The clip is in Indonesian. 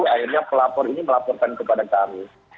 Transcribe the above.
akhirnya pelapor ini melaporkan kepada kami